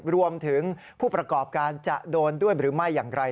ผู้ประกอบการจะโดนด้วยหรือไม่อย่างไร